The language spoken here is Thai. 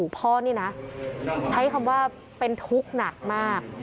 พ่อนี่นะใช้คำว่าเป็นทุกข์หนักมาก